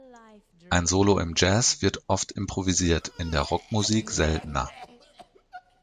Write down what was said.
Ein Solo im Jazz wird oft improvisiert, in der Rockmusik seltener.